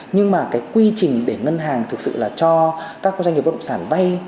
nhưng mà cái quy trình để ngân hàng thực sự là cho các doanh nghiệp bất động sản vay